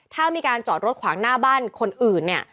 ถ้ามีการจอดรถขวางหน้าบ้านคนอื่นเนี่ย